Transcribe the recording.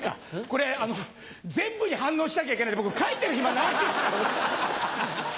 これ全部に反応しなきゃいけないんで僕描いてる暇ないです。